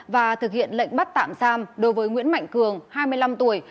và thực hiện lệnh bắt tạm giam đối với nguyễn mạnh cường hai mươi năm tuổi